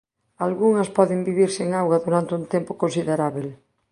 Algunhas poden vivir sen auga durante un tempo considerábel.